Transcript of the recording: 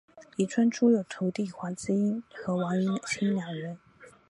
李春初有徒弟黄麒英和王云清两人。